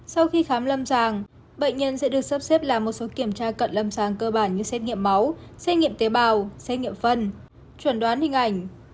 sau khi khám lâm sàng bệnh nhân sẽ được sắp xếp làm một số kiểm tra cận lâm sàng cơ bản như xét nghiệm máu xét nghiệm tế bào xét nghiệm phân chuẩn đoán hình ảnh